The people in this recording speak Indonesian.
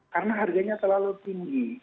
karena harganya terlalu tinggi